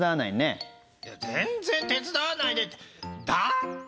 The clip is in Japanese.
いや全然手伝わないねってだって。